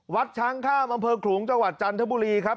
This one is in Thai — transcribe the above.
วัดช้างข้ามอำเภอขลุงจังหวัดจันทบุรีครับ